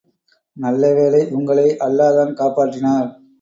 நல்ல வேளை, உங்களை அல்லாதான் காப்பாற்றினார்.